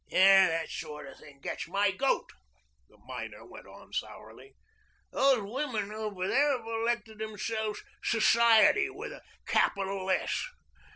"That sort of thing gets my goat," the miner went on sourly. "Those women over there have elected themselves Society with a capital S.